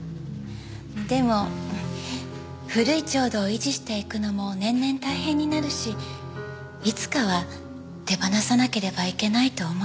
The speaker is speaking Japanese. でも古い調度を維持していくのも年々大変になるしいつかは手放さなければいけないと思っていたの。